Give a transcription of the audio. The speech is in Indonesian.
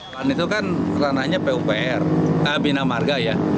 pan itu kan ranahnya pupr bina marga ya